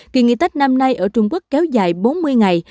kỳ nghỉ tết năm nay ở trung quốc kéo dài bốn mươi ngày